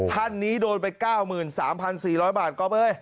ท่านนี้โดนไป๙๓๔๐๐บาทก๊อบเอ้ย